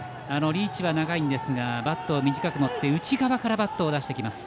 リーチは長いんですがバットを短く持って内側からバットを出してきます。